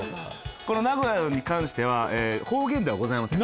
この名古屋に関しては方言ではございません。